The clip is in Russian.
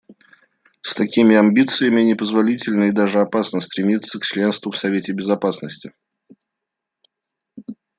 С такими амбициями непозволительно и даже опасно стремиться к членству в Совете Безопасности.